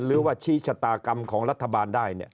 หรือว่าชี้ชะตากรรมของรัฐบาลได้